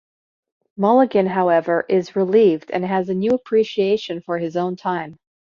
Mulligan, however, is relieved and has a new appreciation for his own time.